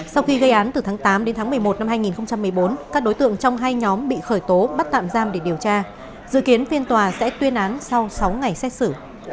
sau khi gây án từ tháng tám đến tháng một mươi một năm hai nghìn một mươi bốn các đối tượng trong hai nhóm bị khởi tố bắt tạm giam để điều tra dự kiến phiên tòa sẽ tuyên án sau sáu ngày xét xử